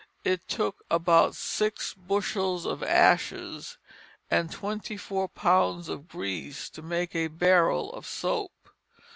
It took about six bushels of ashes and twenty four pounds of grease to make a barrel of soap.